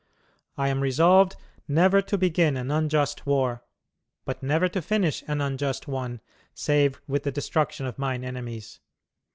I am resolved never to begin an unjust war, but never to finish an unjust one save with the destruction of mine enemies.